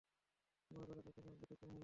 তোমার বেলাতে কেন ব্যতিক্রম হবে?